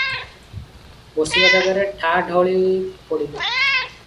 ବସିବା ଜାଗାରେ ଠାଁ ଢଳି ପଡିଲେ ।